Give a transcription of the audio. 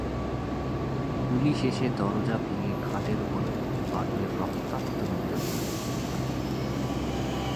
Police এসে দরজা ভেঙে খাটের ওপর পারুলের রক্তাক্ত মৃতদেহ দেখতে পায়।